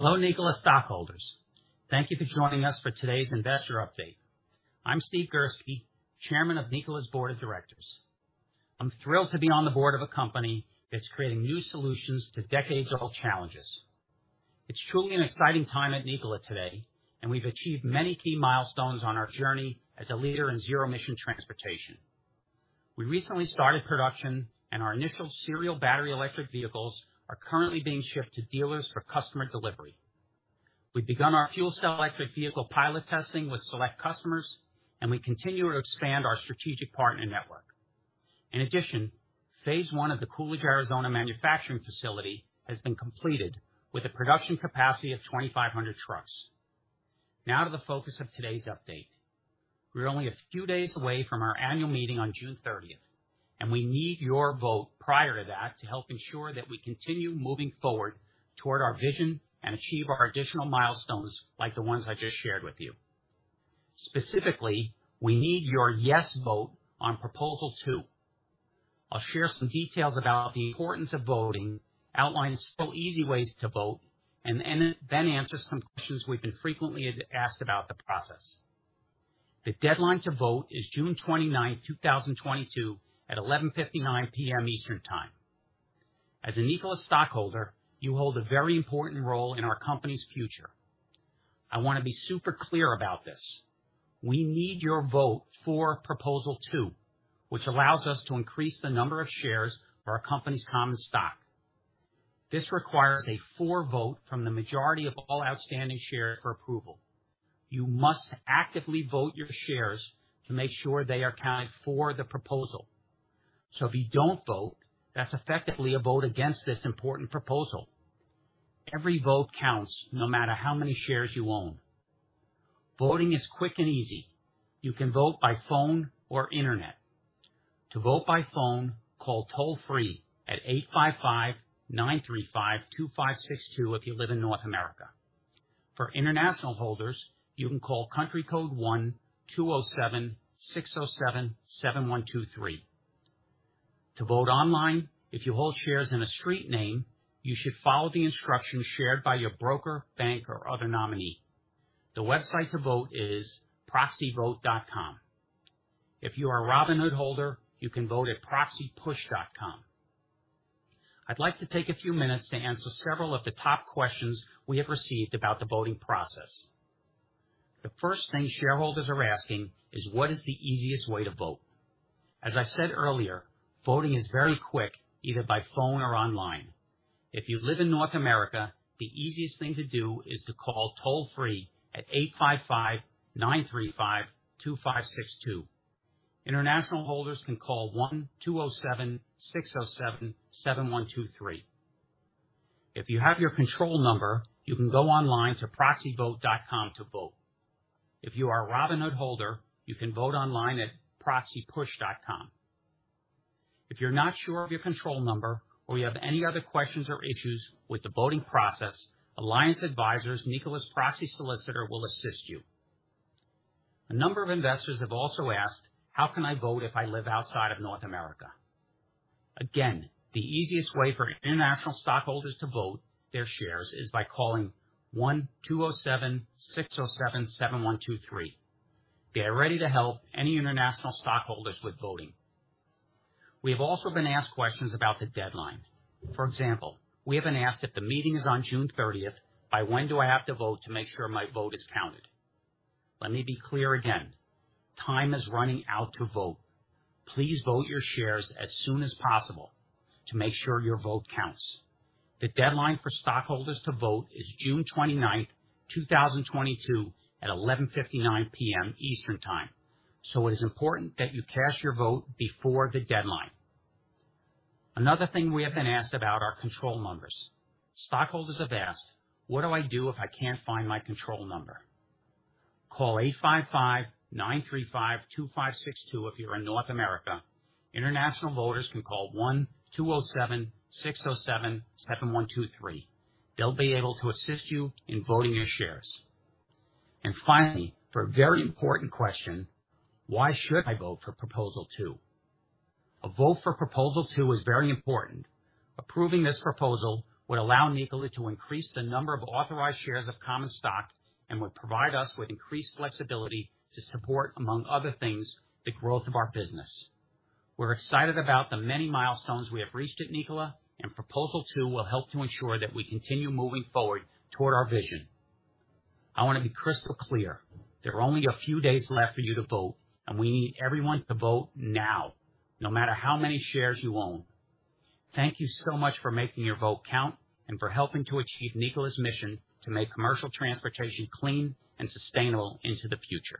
Hello, Nikola stockholders. Thank you for joining us for today's investor update. I'm Steve Girsky, Chairman of Nikola's board of directors. I'm thrilled to be on the board of a company that's creating new solutions to decades-old challenges. It's truly an exciting time at Nikola today, and we've achieved many key milestones on our journey as a leader in zero-emission transportation. We recently started production and our initial serial battery electric vehicles are currently being shipped to dealers for customer delivery. We've begun our fuel cell electric vehicle pilot testing with select customers, and we continue to expand our strategic partner network. In addition, phase one of the Coolidge, Arizona manufacturing facility has been completed with a production capacity of 2,500 trucks. Now to the focus of today's update. We're only a few days away from our annual meeting on June thirtieth, and we need your vote prior to that to help ensure that we continue moving forward toward our vision and achieve our additional milestones like the ones I just shared with you. Specifically, we need your yes vote on proposal two. I'll share some details about the importance of voting, outline some easy ways to vote, and then answer some questions we've been frequently asked about the process. The deadline to vote is June 29th, 2022 at 11:59 P.M. Eastern Time. As a Nikola stockholder, you hold a very important role in our company's future. I wanna be super clear about this. We need your vote for proposal two, which allows us to increase the number of shares of our company's common stock. This requires a for vote from the majority of all outstanding shares for approval. You must actively vote your shares to make sure they are counted for the proposal. If you don't vote, that's effectively a vote against this important proposal. Every vote counts no matter how many shares you own. Voting is quick and easy. You can vote by phone or internet. To vote by phone, call toll-free at 855-935-2562 if you live in North America. For international holders, you can call country code 1-207-607-7123. To vote online, if you hold shares in a street name, you should follow the instructions shared by your broker, bank, or other nominee. The website to vote is proxyvote.com. If you are a Robinhood holder, you can vote at proxypush.com. I'd like to take a few minutes to answer several of the top questions we have received about the voting process. The first thing shareholders are asking is what is the easiest way to vote? As I said earlier, voting is very quick, either by phone or online. If you live in North America, the easiest thing to do is to call toll-free at 855-935-2562. International holders can call 1-207-607-7123. If you have your control number, you can go online to proxyvote.com to vote. If you are a Robinhood holder, you can vote online at proxypush.com. If you're not sure of your control number or you have any other questions or issues with the voting process, Alliance Advisors, Nikola's proxy solicitor, will assist you. A number of investors have also asked, "How can I vote if I live outside of North America?" Again, the easiest way for international stockholders to vote their shares is by calling 1-207-607-7123. They are ready to help any international stockholders with voting. We have also been asked questions about the deadline. For example, we have been asked, "If the meeting is on June 30th, by when do I have to vote to make sure my vote is counted?" Let me be clear again. Time is running out to vote. Please vote your shares as soon as possible to make sure your vote counts. The deadline for stockholders to vote is June 29th, 2022 at 11:59 P.M. Eastern Time. It is important that you cast your vote before the deadline. Another thing we have been asked about are control numbers. Stockholders have asked, "What do I do if I can't find my control number?" Call 855-935-2562 if you're in North America. International voters can call 1-207-607-7123. They'll be able to assist you in voting your shares. Finally, for a very important question: Why should I vote for proposal two? A vote for proposal two is very important. Approving this proposal would allow Nikola to increase the number of authorized shares of common stock and would provide us with increased flexibility to support, among other things, the growth of our business. We're excited about the many milestones we have reached at Nikola, and proposal two will help to ensure that we continue moving forward toward our vision. I wanna be crystal clear. There are only a few days left for you to vote, and we need everyone to vote now, no matter how many shares you own. Thank you so much for making your vote count and for helping to achieve Nikola's mission to make commercial transportation clean and sustainable into the future.